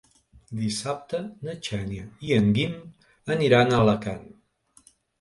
Dissabte na Xènia i en Guim aniran a Alacant.